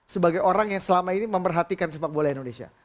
sebagai orang yang selama ini memperhatikan sepak bola indonesia